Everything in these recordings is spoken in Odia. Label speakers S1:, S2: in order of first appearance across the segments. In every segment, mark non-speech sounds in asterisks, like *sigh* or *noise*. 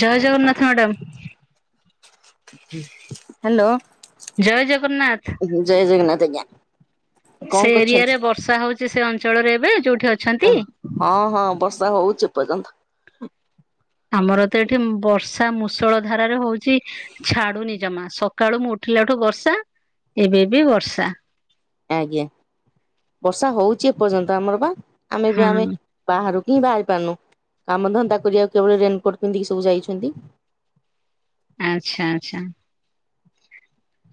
S1: ଜୟ ଜଗନ୍ନାଥ ମ୍ୟାଡ଼ାମ
S2: ହ୍ୟାଲୋ
S1: ଜୟ ଜଗନ୍ନାଥ
S2: ଜୟ ଜଗନ୍ନାଥ ଆଜ୍ଞା କଣ
S1: ସେ
S2: କରୁଛନ୍ତି?
S1: ଏରିଆରେ ବର୍ଷା ହଉଛି ସେ ଅଞ୍ଚଳରେ ଏବେ ଯୋଉଠି ଅଛନ୍ତି
S2: ହଁ ହଁ ବର୍ଷା ହଉଛି ଏ ପର୍ଯ୍ୟନ୍ତ
S1: ଆମର ତ ଏଠି ବର୍ଷା ମୂଷଳ ଧାରାରେ ହଉଛି ଛାଡୁନି ଜମା ସକାଳୁ ମୁଁ ଉଠିଲାଠୁ ବର୍ଷା ଏବେ ବି ବର୍ଷା
S2: ଆଜ୍ଞା ବର୍ଷା ହଉଛି ଏପର୍ଯ୍ୟନ୍ତ ଆମର ବା ଆମେ ବି
S1: ହଁ
S2: ଆମେ ବାହାରକୁ ହିଁ ବାହାରି ପାରୁନୁ କାମଧନ୍ଦା କରିବାକୁ କେବଳ ରେନକୋଟ ପିନ୍ଧିକି ସବୁ ଯାଇଛନ୍ତି
S1: ଆଚ୍ଛା ଆଛା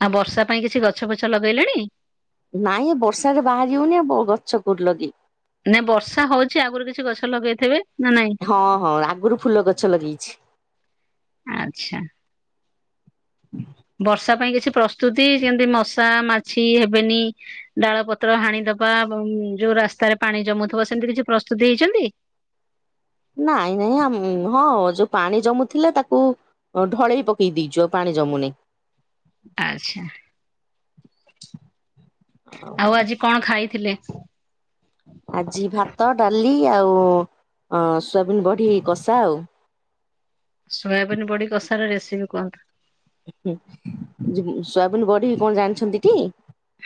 S1: ଆଉ ବର୍ଷା ପାଇଁ କିଛି ଗଛ ଫଛ ଲଗେଇଲେଣି
S2: ନାଇଁ ଏ ବର୍ଷା ରେ ବାହାରି ହଉନି ଆ ବ ଗଛ କୋଉଠି ଲଗେଇବି
S1: ନା ବର୍ଷା ହଉଛି ଆଗରୁ କିଛି ଗଛ ଲଗେଇଥିବେ ନା ନାଇଁ
S2: ହଁ ହଁ ଆଗରୁ ଫୁଲ ଗଛ ଲଗେଇଛି
S1: ଆଚ୍ଛା
S2: ହୁଁ
S1: ବର୍ଷା ପାଇଁ କିଛି ପ୍ରସ୍ତୁତି କେମିତି ମଶା ମାଛି ହେବେନି ଡାଳ ପତ୍ର ହାଣି ଦବା ଯୋଉ ରାସ୍ତାରେ ପାଣି ଜମୁଥିବ ସେମିତି କିଛି ପ୍ରସ୍ତୁତି ହେଇଛନ୍ତି
S2: ନାଇଁ ନାଇଁ ଆମ ହଁ ଯୋଉ ପାଣି ଜମୁଥିଲା ତାକୁ ଢଳେଇ ପକେଇ ଦେଇଛୁ ପାଣି ଜମୁନି
S1: ଆଚ୍ଛା
S2: ହ
S1: ଆଉ ଆଜି କଣ ଖାଇଥିଲେ?
S2: ଆଜି ଭାତ ଡାଲି ଆଉ ଊଁ ସୋୟାବିନ୍ ବଢି କଷା ଆଉ
S1: ସୋୟାବିନ ବଡିି କଷାର ରେସିପି କୁହନ୍ତୁ
S2: ହଁ ସୋୟାବିନ ବଢି କଣ ଜାଣିଛନ୍ତି ଟି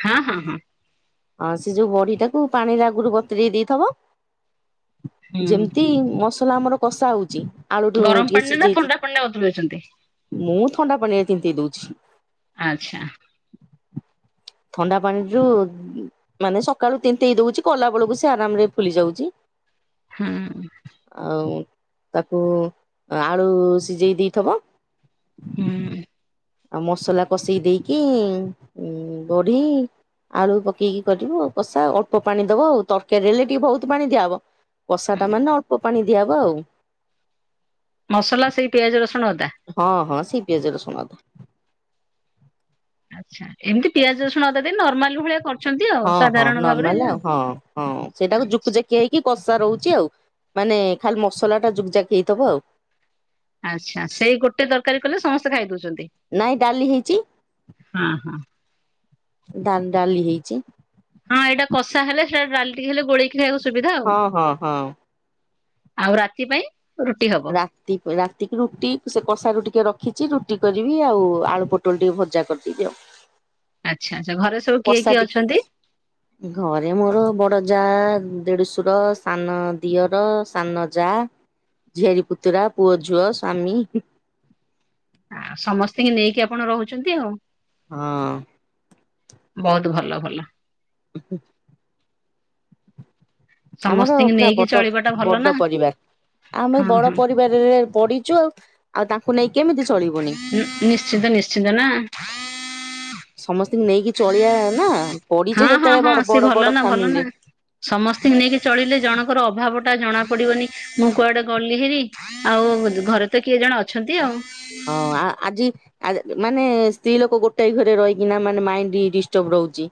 S1: ହଁ ହଁ ହଁ
S2: ହଁ ସେ ଯୋଉ ବଢ଼ି ଟାକୁ ପାଣିରେ ଆଗରୁ ବତୁର ଦେଇଥବ
S1: ହୁଁ।
S2: ଯେମିତି ମସଲା ଆମର କଷା ହଉଚି ଆଳୁଠୁ
S1: ଗରମ
S2: ଟିକେ
S1: ପାଣିରେ ନା
S2: ସିଝେଇ
S1: ଥଣ୍ଡା ପାଣିରେ ବତୁରଉଛନ୍ତି?
S2: ମୁଁ ଥଣ୍ଡା ପାଣିରେ ତିନ୍ତେଇ ଦଉଛି
S1: ଆଚ୍ଛା
S2: ଥଣ୍ଡା ପାଣିରୁ ମାନେ ସକାଳୁ ତିନ୍ତେଇ ଦଉଛି କଲା ବେଳକୁ ସେ ଆରାମରେ ଫୁଲି ଯାଉଛି
S1: ହୁଁ
S2: ଆଉଁ ତାକୁ ଆଳୁ ସିଝେଇ ଦେଇଥବ
S1: ଉହୁଁ
S2: ଆଉ ମସଲା ପଷେଇ ଦେଇକି ଉଁ ବଢି ଆଳୁ ପକେଇକି କରିବୁ କଷା ଅଳ୍ପ ପାଣି ଦବ ଆଉ ତରକାରୀ ହେଲେ ଟିକେ ବହୁତ ପାଣି ଦିଆହବ। କଷା ଟା
S1: ହୁଁ।
S2: ମାନେ ଅଳ୍ପ ପାଣି ଦିଆବ ଆଉ।
S1: ମସଲା ସେଇ ପିଆଜ ରସୁଣ ଅଦା।
S2: ହଁ ହଁ ସେଇ ପିଆଜ ରସୁଣ ଅଦା।
S1: ଆଚ୍ଛା ଏମିତି ପିଆଜ ରସୁଣ ଦେଇ ନର୍ମାଲ ଭଳିଆ କର
S2: ହଁ ହଁ ନର୍ମାଲ ଆଉ ହଁ ହଁ ସେଇଟାକୁ ଯୁକୁ ଯାକ ହେଇକି କଷା ରହୁଛି ଆଉ ମାନେ ଖାଲି ମସଲା ଟା ଯୁକ ଯାକ ହେଇଥବ ଆଉ।
S1: ଆଚ୍ଛା ସେଇ ଗୋଟେ ତରକାରୀ କଲେ ସମସ୍ତେ ଖାଇଦଉଛନ୍ତି?
S2: ନାଇଁ ଡାଲି ହେଇଚି
S1: ହଁ
S2: ଡା ଡାଲି ହେଇଚି
S1: ହଁ ଏଇଟା କଷା ହେଲେ ସେଟା ଡାଲ ଟିକି ହେଲେ ଗୋଳେଇକି ଖାଇବାକୁ ସୁବିଧା ଆଉ।
S2: ହଁ ହଁ ହଁ
S1: ଆଉ ରାତି ପାଇଁ। ରୁଟି ହବ।
S2: ରା ରାତିକି ରୁଟି ସେ କଷାରୁ ଟିକେ ରଖିଛି ରୁଟି କରିବି ଆଉ ଆଳୁ ପୋଟଳ ଟିକେ ଭଜା କରିଦେବି ଆଉ।
S1: ଆଚ୍ଛା ଆଛା ଘରେ ସବ୍
S2: ପସା ଟିକ *unintelligible* ଘରେ ମୋର ବଡ ଯା ଦେଢଶୁର ସାନ ଦିଅର ସାନ ଯା, ଝିଆରୀ, ପୁତୁରା, ପୁଅ, ଝୁଅ, ସ୍ୱାମୀ
S1: ସମସ୍ତିଙ୍କି ନେଇକି ଆପଣ ରହୁଛନ୍ତି ଆଉ।
S2: ହଁ
S1: ବୋହୁତ ଭଲ ଭଲ।
S2: *inaudible* ଆମର
S1: ସମସ୍ତିଙ୍କି
S2: ପୁରା
S1: ନେଇକି
S2: ବଡ
S1: ଚଳିବା ଟା ଭଲ ନା।
S2: ବଡ ପରିବାର ଆମର୍
S1: ହଁ
S2: ବଡ
S1: ହଁ
S2: ପରିବା *unintelligible* ପଡିଚୁ ଆଉ ଆଉ ତାଙ୍କୁ ନେଇ କେମିତି ଚଳିବୁନି।
S1: ନିଶ୍ଚିନ୍ତ ନିଶ୍ଚିନ୍ତ ନା
S2: ସମସ୍ତଙ୍କୁ ନେଇକି ଚଳିଆ ନା
S1: ହଁ
S2: ପଡିଛେ ଯେତେବେଳେ ବଡ ବଡ ବଡ ଫ୍ୟାମିଲିରେ।
S1: ସମସ୍ତିଙ୍କ ନେଇକି ଚଳିଲେ ଜଣଙ୍କର ଅଭାବ ଟା ଜଣା ପଡିବନି ମୁଁ କୁଆଡେ ଗଲି ହେରି ଆଉ ଘରେ ତ କିଏ ଜଣେ ଅଛନ୍ତି ଆଉ।
S2: ହଁ ଆ ଆଜି ଆ ମାନେ ସ୍ତ୍ରୀ ଲୋକ ଗୋଟାଏ ଘରେ ରହିକିନା ମାନେ ମାଇଣ୍ଡ ଡିଷ୍ଟର୍ବ ରହୁଚି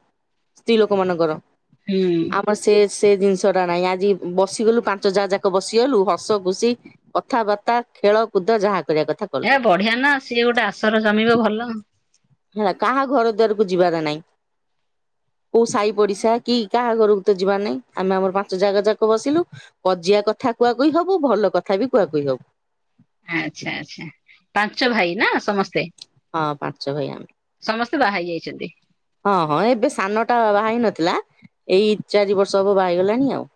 S2: ସ୍ତ୍ରୀ ଲୋକ ମାନଙ୍କର
S1: ହୁଁ
S2: ଆମର ସେ ସେ ଜିନିଷ ଟା ନାହିଁ ଆଜି ବସିଗଲୁ ପାଞ୍ଚ ଜା ଯାକ ବସିଗଲୁ ହସ ଖୁସି। କଥାବାର୍ତ୍ତା ଖେଳକୁଦ ଯାହା କରିବା କଥା କଲୁ
S1: ଯାହଉ ବଢିଆ ନା ସିଏ ଗୋଟେ ଆସର ଜମିବ ଭଲ।
S2: ହେଲା କାହା ଘର ଦୁଆରକୁ ଯିବାର ନାହିଁ। କୋଉ ସାଇ ପଡିଶା କି କାହା ଘରକୁ ତ ଯିବାର ନାଇଁ ଆମେ ଆମର ପାଞ୍ଚ ଯା ଯାକ ବସିଲୁ କଜିଆ କଥା କୁହାକୁହି ହବୁ ଭଲ କଥାବି କୁହାକୁହି ହବୁ।
S1: ଆଚ୍ଛା ଆଚ୍ଛା ପାଞ୍ଚ ଭାଇ ନା ସମସ୍ତେ।
S2: ହଁ ପାଞ୍ଚ ଭାଇ ଆମେ।
S1: ସମସ୍ତେ ବାହା ହେଇ ଯାଇଛନ୍ତି।
S2: ହଁ ହଁ ଏବେ ସାନଟା ବାହାହେଇ ନଥିଲା ଏଇ ଚାରି ବର୍ଷ ହବ ବାହାହେଇଗଲାଣି ଆଉ।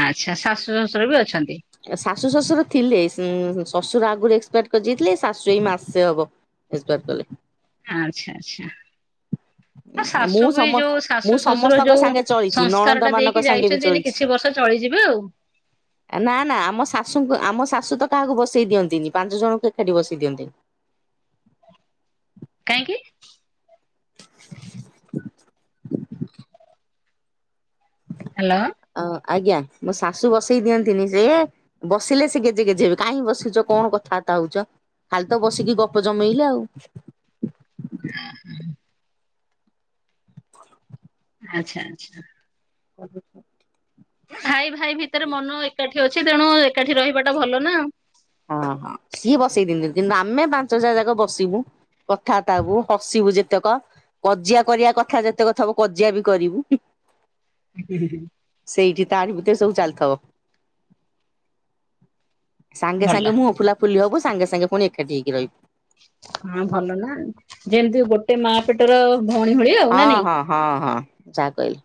S1: ଆଚ୍ଛା ଶାଶୁ ଶ୍ୱଶୁର ବି ଅଛନ୍ତି।
S2: ଶାଶୁ ଶଶୁର ଥିଲେ ଶଶୁର ଆଗରୁ ଏକ୍ସପାଟ କରି ଯାଇଥିଲେ ଶାଶୁ ଏଇ ମାସେ ହବ। ଏକ୍ସପାର କଲେ।
S1: ଆଚ୍ଛା ଆଛା। ତମ
S2: ମୁଁ
S1: ଶାଶୁ ବି
S2: ସମ
S1: ଯୋଉ
S2: ମୁଁ
S1: ଶାଶୁ ଶଶୁର
S2: ସମସ୍ତଙ୍କ
S1: ଯୋଉ
S2: ସାଙ୍ଗେ ଚଳିଛି
S1: ସଂସ୍କାର
S2: ନଣନ୍ଦ
S1: ଟା
S2: ମାନଙ୍କ
S1: ଦେଇକି
S2: ସାଙ୍ଗେ ବି
S1: ଯାଇଛନ୍ତି ରି
S2: ଚଳିଛି
S1: କିଛି ବର୍ଷ ଚଳିଯିବେ ଆଉ।
S2: ନା- ନା ଆମ ଶାଶୁଙ୍କୁ ଆମ ଶାଶୁ ତ କାହାକୁ ବସେଇ ଦିଅନ୍ତିନି, ପାଞ୍ଚ ଜଣଙ୍କୁ ଏକାଠି ବସେଇ ଦିଅନ୍ତିନି।
S1: କାହିଁକି? ହ୍ୟାଲୋ।
S2: ଅ ଆଜ୍ଞା ମୋ ଶାଶୁ ବସେଇ ଦିଅନ୍ତିନି, ଯେ ବସିଲେ ସେ ଗେଜେ ଗେଜେ ହେବେ, କାହିଁକି ବସୁଛ କଣ କଥାବାର୍ତ୍ତା ହଉଛ? ଖାଲି ତ ବସିକି ଗପ ଜମେଇଲେ ଆଉ।
S1: ଆଛା ଆଚ୍ଛା। ଭାଇ ଭାଇ ଭିତରେ ମନ ଏକାଠି ଅଛି, ତେଣୁ ଏକାଠି ରହିବାଟା ଭଲ ନା ଆଉ।
S2: ହଁ- ହଁ ସିଏ ବସେଇ ଦିଅନ୍ତିନି, କିନ୍ତୁ ଆମେ ପାଞ୍ଚ ଜା ଯାକ ବସିବୁ। କଥାବାର୍ତ୍ତା ହବୁ। ହସିବୁ ଯେତେକ, କଜିଆ କରିବା କଥା ଯେତେକ ଥବ କଜିଆ ବି କରିବୁ। ସେଇଠି ତାରି ଭିତରେ ସବୁ ଚାଲିଥିବ। ସାଙ୍ଗେ
S1: ଭଲ
S2: ସାଙ୍ଗେ ମୁଁହ ଫୁଲାଫୁଲି ହବୁ, ସାଙ୍ଗେ ସାଙ୍ଗେ ପୁଣି ଏକାଠି ହେଇକି ରହିବୁ।
S1: ହଁ ଭଲ ନା, ଯେମିତି ଗୋଟେ ମା ପେଟର ଭଉଣୀ ଭଳିଆ ଆଉ
S2: ହଁ
S1: ନା ନାଇଁ?
S2: ହଁ ହଁ- ହଁ ଯାହା କହି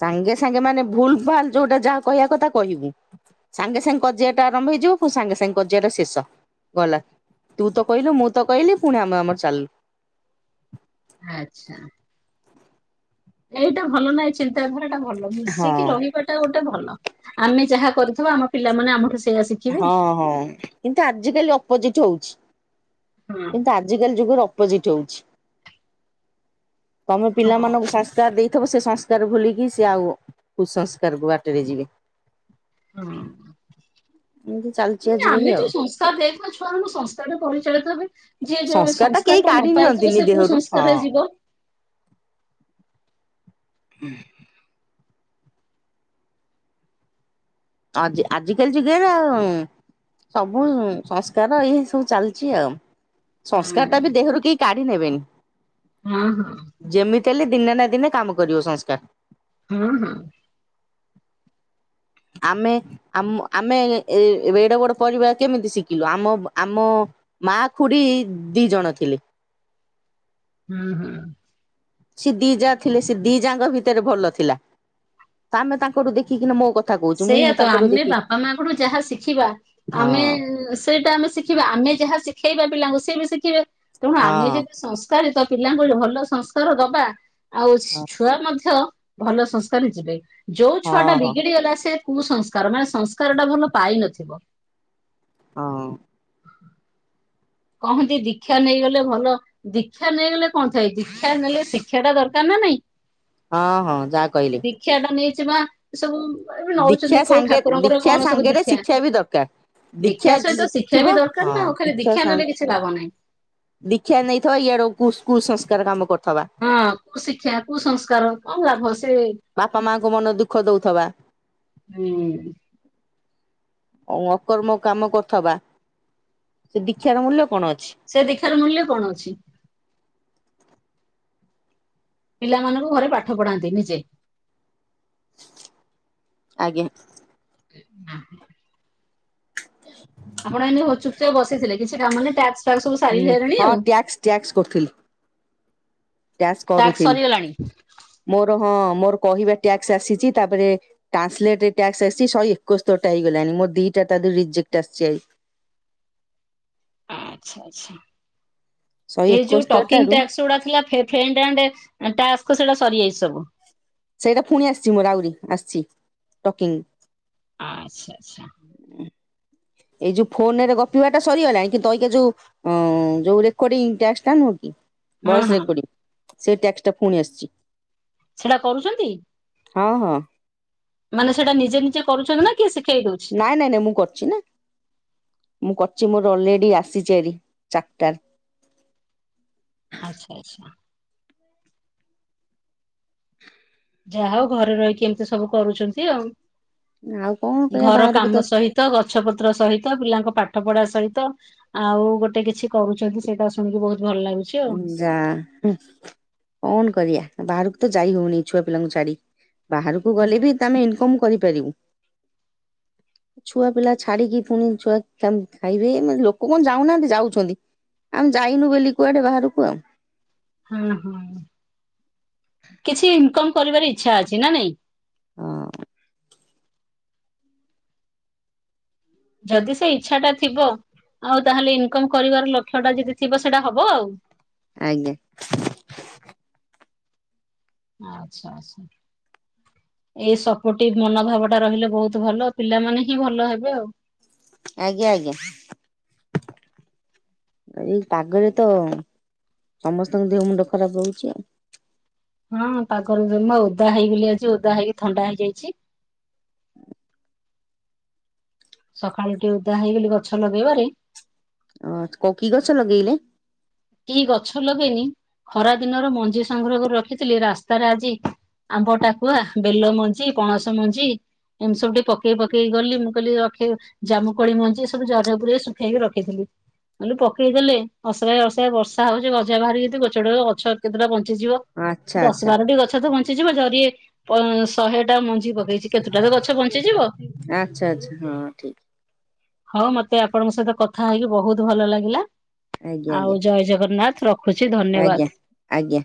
S2: ସାଙ୍ଗେ ସାଙ୍ଗେ ମାନେ, ଭୁଲ ଭାଲ ଯୋଉଟା ଯାହା କହିଆ କଥା କହିବୁ। ସାଙ୍ଗେ ସାଙ୍ଗେ କଜିଆଟା ଆରମ୍ଭ ହେଇଯିବ, ପୁଣି ସାଙ୍ଗେ ସାଙ୍ଗେ କଜିଆଟା ଶେଷ ଗଲା। ତୁ ତ କହିଲୁ, ମୁଁ ତ କହିଲି ପୁଣି ଆମେ ଆମର ଚାଲିଲୁ।
S1: ଆଚ୍ଛା। ଏଇଟା ଭଲ ନା, ଚିନ୍ତାଧାରାଟା ଭଲ ମିଶିକି
S2: ହଁ।
S1: ରହି ସେଇଟା ଗୋଟେ ଭଲ। ଆମେ ଯାହା କରିଥିବା ଆମ ପିଲାମାନେ ଆମଠୁ ସେଇଆ ଶିଖ୍
S2: ହଁ- ହଁ କିନ୍ତୁ ଆଜି କାଲି ଅପୋଜିଟ ହଉଛି,
S1: ହଁ
S2: କିନ୍ତୁ ଆ ଆଜିକାଲି ଯୁଗରେ ଅପୋଜିଟ୍ ହଉଛି, ତମେ
S1: ହଁ
S2: ପିଲାମାନଙ୍କୁ ସଂ ସଂସ୍କାର ଦେଇଥିବ, ସେ ସଂସ୍କାର ଭୁଲିକି ସେ ଆଉ କୁସଂସ୍କାର କୁ ବାଟରେ ଯିବେ।
S1: ହଁ।
S2: ଏମିତି। ଚାଲିଛି
S1: ନାଁ
S2: ଆଜିକାଲି
S1: ଆମେ
S2: ଆଉ।
S1: ଯୋଉ ସଂସ୍କାର ଦେଇଥିବା ଛୁଆମାନଙ୍କୁ, ସଂସ୍କାରରେ ପରିଚାଳିତ ହେବେ। ଯିଏ ଯୋଉ
S2: ସଂସ୍କାର ଟା କେହି
S1: ସଂସ୍କାରଟା
S2: କାଢି
S1: ନ ପାଇଥିବ,
S2: ନିଅନ୍ତିନି
S1: ସେ
S2: ଦେହରୁ
S1: କୁସଂସ୍କାରରେ
S2: ହଁ।
S1: ଯିବ।
S2: ଆଜି ଆଜିିକାଲି ଯୁଗରେ ଆଉ ସବୁ ସଂସ୍କାର ଇଏ ସବୁ ଚାଲିଛି ଆଉ। ସଂସ୍କାରଟା ବି
S1: ହୁଁ
S2: ଦେହରୁ କେହି କାଢି ନେବେନି।
S1: ହଁ- ହଁ।
S2: ଯେମିତି ହେଲେ ଦିନେ ନା ଦିନେ କାମ କରିବ ସଂସ୍କାର।
S1: ହଁ- ହଁ।
S2: ଆମେ ଆମ ଆମେ ଏ ଏଡେ ବଡ ପରିବାର କେମିତି ଶିଖିଲୁ? ଆମ ଆମ ମା ଖୁଡି ଦି ଜଣ ଥିଲେ।
S1: ହୁଁ- ହୁଁ।
S2: ସେ ଦି ଯା ଥିଲେ, ସେ ଦି ଯାଙ୍କ ଭିତରେ ଭଲ ଥିଲା। ତ ଆମେ ତାଙ୍କଠୁ ଦେଖିକିନା ମୋ କଥା କହୁଛୁ ମୁଁ
S1: ସେଇଆ ତ,
S2: ତାଙ୍କଠୁ
S1: ଆମେ
S2: ଦେଖି
S1: ବାପା ମାଆଙ୍କଠୁ ଯାହା ଶିଖିବା ଆମେ
S2: ହଁ
S1: ସେଇଟା ଆମେ ଶିଖିବା, ଆମେ ଯାହା ଶିଖେଇବା ପିଲାଙ୍କୁ ସେ ବି ଶିଖିବେ। ତେଣୁ
S2: ହଁ
S1: ଆମେ ଯଦି ସଂ ସ୍କାର ତ ପିଲାଙ୍କୁ ଭଲ ସଂସ୍କାର ଦବା, ଆଉ
S2: ହଁ।
S1: ଛୁଆ ମଧ୍ୟ ଭଲ ସଂସ୍କାରି ଯିବେ, ଯୋଉ ଛୁଆଟା
S2: ହଁ
S1: ବିଗିଡି ଗଲା ସେ ସେ କୁସଂସ୍କାର ମାନେ ସଂସ୍କାରଟା ଭଲ ପାଇନଥିବ।
S2: ହଁ‌।
S1: କହନ୍ତି ଦୀକ୍ଷା ନେଇଗଲେ ଭଲ। ଦୀକ୍ଷା ନେଇଗଲେ କଣ ଥାଏ, ଦୀକ୍ଷା ନେଲେ ଶିକ୍ଷାଟା ଦରକାର ନା ନାଇଁ‌।
S2: ହଁ ହଁ ଯାହା କହିଲେ।
S1: କ୍ଷା ଟା ନେଇଛି ବା ଏ ସବୁ ଏ
S2: ଦୀକ୍ଷା
S1: ହଉଛନ୍ତି କୋଉ
S2: ସାଙ୍ଗେ
S1: ଠାକୁରଙ୍କର
S2: ଦୀକ୍ଷା
S1: କଣ ସବୁ
S2: ସାଙ୍ଗରେ
S1: ଦୀକ୍ଷା।
S2: ଶିକ୍ଷା ବି ଦରକାର
S1: ଦୀକ୍ଷା ସହିତ ଶିକ୍ଷା
S2: ଥିବ
S1: ବି ଦରକାର
S2: ହଁ
S1: ନା ଖାଲି ଦୀକ୍ଷା
S2: ସାଙ୍ଗ
S1: ନେଲେ କିଛି ଲାଭ ନାହିଁ।
S2: ଦୀକ୍ଷା ନେଇଥାଉ ଇଆଡୁ କୁସଂସ୍କାର କାମ କରୁଥିବା।
S1: ହଁ କୁ ଶିକ୍ଷା କୁ ସଂସ୍କାର କଣ ଲାଭ ସେ
S2: ବାପା ମାଙ୍କ ମନ ଦୁଃଖ ଦଉଥିବା।
S1: ଉଁ
S2: ଓ ଅକର୍ମ କାମ କରୁଥିବା। ସେ ଦୀକ୍ଷାର ମୂଲ୍ୟ କଣ ଅଛି।
S1: ସେ ଦୀକ୍ଷାର ମୂଲ୍ୟ କଣ ଅଛି? ପିଲାମାନଙ୍କୁ ଘରେ ପାଠ ପଢାନ୍ତି ନିଜେ?
S2: ଆଜ୍ଞା।
S1: *unintelligible* ଆପଣ ଏନେହୋ ଚୁପଚାପ୍ ବସିଥିଲେ କିଛି କାମ ନାହିଁ ଟାକ୍ସ ଫାକ୍ସ ସବୁ ସାରି
S2: ହୁଁ
S1: ସାରିଲେଣି
S2: ହଁ
S1: ଆଉ।
S2: ଟ୍ୟାକ୍ସ ଟ୍ୟାକ୍ସ କରୁଥିଲି। ଟ୍ୟାକ୍ସ
S1: ଟାସ୍କ
S2: କରୁଥିଲି
S1: ସରିଗଲାଣି
S2: ମୋର ହଁ ମୋର କହିବା ଟ୍ୟାକ୍ସ ଆସିଛି ତାପରେ ଟ୍ରାନ୍ସଲେଟ ଟ୍ୟାକ୍ସ ଆସିଛି ସହେ ଏକୋସ୍ତରିଟା ହେଇଗଲାଣି ମୋର ଦିଟା ତାଧୀରୁ ରିଜେକ୍ଟ ଆସିଛି ଆଇ।
S1: ଆଚ୍ଛା ଆଚ୍ଛା
S2: ଶହେ
S1: ଏଇ ଯୋଉ ଟକିଂ
S2: ଏକସ୍ତରଟାରୁ
S1: ଟ୍ୟାକ୍ସ ଗୁଡା ଥିଲା ଫେ ଫ୍ରେଣ୍ଡ ଆଣ୍ଡ ଟ୍ୟାକ୍ସ ସେଇଟା ସରିଯାଇଛି ସବୁ?
S2: ସେଇଟା ଫୁଣି ଆସିଛି ମୋର ଆହୁରି ଆସିଛି ଟକିଂ।
S1: ଆଚ୍ଛା ଆଚ୍ଛା।
S2: ଏଇ ଯୋଉ ଫୋନ ରେ ଗପିବା ଟା ସରିଗଲାଣି କିନ୍ତୁ ଅଇକା ଯୋଉ ଓଁ ଯୋଉ ରେକୋଡ଼ିଂ ଟାକ୍ସ ଟା ନୁହଁକି
S1: ହଁ
S2: ଭଏସ
S1: ହଁ
S2: ରେକର୍ଡିଂ ସେ ଟ୍ୟାକ୍ସ ଟା ପୁଣି ଆସିଛି।
S1: ସେଟା କରୁଛନ୍ତି?
S2: ହଁ ହଁ।
S1: ମାନେ ସେଇଟା ନିଜେ ନିଜେ କରୁଛନ୍ତି ନା କିଏ ଶିଖେଇ ଦଉଛି?
S2: ନାଇଁ ନାଇଁ ନାଇଁ ମୁଁ କରିଛି ନା ମୁଁ କରିଛି ମୋର ଅଲରେଡି ଆସିଚି ହାରି ଚାରିଟା
S1: ଆଚ୍ଛା ଆଚ୍ଛା‌। ଯାହା ହଉ ଘରେ ରହିକି ଏମିତି ସବୁ କରୁଛନ୍ତି ଆଉ
S2: ଆଉ କଣ କରିବା
S1: ଘର
S2: ବାହାରକୁ
S1: କାମ ସହି ତ ଗଛ ପତ୍ର ସହିତ ପିଲାଙ୍କ ପାଠ ପଢା ସହିତ ଆଉ ଗୋଟେ କିଛି କରୁଛନ୍ତି ସେଇଟା ଶୁଣିକି ବହୁତ ଭଲ ଲାଗୁଛି। ଆଉ
S2: ଯା କଣ କରିବା ବାହାରକୁ ତ ଯାଇ ହଉନି ଛୁଆ ପିଲାଙ୍କୁ ଛାଡିକି ବାହାରକୁ ଗଲେ ବି ତମେ ଇନକମ କରିପାରିବୁ। ଛୁଆ ପିଲା ଛାଡିକି ପୁଣି ଛୁଆ ଖାଇବେ ଲୋକ କଣ ଯାଉନାହାନ୍ତି ଯାଉଛନ୍ତି। ଆମେ ଯାଇନୁ ବୋଲି କୁଆଡେ ବାହାରକୁ ଆଉ।
S1: ହଁ ହଁ କିଛି ଇନକମ କରିବାର ଇଚ୍ଛା ଅଛି ନା ନାଇଁ?
S2: ହଁ।
S1: ଯଦି ସେ ଇଚ୍ଛାଟା ଥିବ ଆଉ ତାହେଲେ ଇନକମ କରିବାର ଲକ୍ଷ୍ୟ ଟା ଯଦି ଥିବ ସେଇଟା ହବ ଆଉ।
S2: ଆଜ୍ଞା।
S1: ଆଚ୍ଛା ଆଚ୍ଛା। ଏଇ ସପୋଟି ମନୋଭାବ ଟା ରହିଲେ ବହୁତ ଭଲ ପିଲାମାନେ ହିଁ ଭଲ ହେବେ ଆଉ।
S2: ଆଜ୍ଞା ଆଜ୍ଞା। ଏଇ ପାଗରେ ତ ସମସ୍ତଙ୍କ ଦେହ ମୁଣ୍ଡ ଖରାପ ରହୁଛି ଆଉ।
S1: ହଁ ପାଗରୁ ଜମା ଓଦା ହେଇଗଲି ଆଜି ଓଦା ହେଇକି ଥଣ୍ଡା ହେଇଯାଇଛି। ସକାଳୁ ଟିକେ ଓଦା ହେଇଗଲି ଗଛ ଲଗେଇବାରେ
S2: ଅ କୋଉ କି ଗଛ ଲଗେଇଲେ?
S1: କି ଗଛ ଲଗେଇନି ଖରା ଦିନର ମଞ୍ଜି ସଂଗ୍ରହ କରି ରଖିଥିଲି ରାସ୍ତାରେ ଆଜି ଆମ୍ବ ଟାକୁଆ ବେଲ ମଞ୍ଜି ପଣସ ମଞ୍ଜି ଏମିତି ସବୁ ଟିକେ ପକେଇ ପକେଇକ ଗଲି ମୁଁ କହିଲି ରଖି ଜାମୁକୋଳି ମଞ୍ଜି ଏ ସବୁ ଜରିରେ ପୁରେଇ ଶୁଖେଇକି ରଖିଥିଲି କହିଲି ପକେଇ ଦେଲେ ଅସରାଏ ଅସ ସେ ବର୍ଷା ହଉଛି ଗଜା ବାହାରି କି ଗଛ ଗଡ ଗଛ କେତୋଟା ବଞ୍ଚିଯିବ
S2: ଆଚ୍ଛା
S1: ଦଶ
S2: ଆଚ୍ଛା
S1: ବାରଟି ଗଛ ତ ବ ବଞ୍ଚି ଜୀବ ଜରି ଶହେ ଟା ମଞ୍ଜି ପକେଇଚି।
S2: ଆଚ୍ଛା ଆଚ୍ଛା ହଁ ଠିକ।
S1: ହଉ ମତେ ଆପଣଙ୍କ ସହିତ କଥା ହେଇକି ବହୁତ ଭଲ ଲାଗିଲା।
S2: ଆଜ୍ଞ
S1: ଆଉ
S2: ଆଜ୍ଞା।
S1: ଜୟ ଜଗନ୍ନାଥ ରଖୁଛି
S2: ଆଜ୍ଞା
S1: ଧନ୍ୟବାଦ।
S2: ଆଜ୍ଞା।